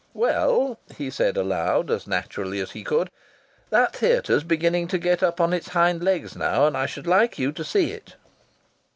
"Well," he said aloud, as naturally as he could, "that theatre's beginning to get up on its hind legs now, and I should like you to see it."